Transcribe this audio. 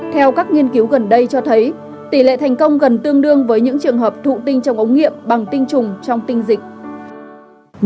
theo các nghiên cứu gần đây cho thấy tỷ lệ thành công gần tương đương với những trường hợp thụ tinh trong ống nghiệm bằng tinh trùng trong tinh dịch